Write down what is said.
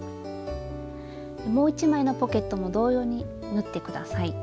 もう一枚のポケットも同様に縫って下さい。